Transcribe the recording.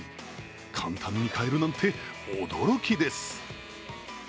簡単に買えるなんて驚きです。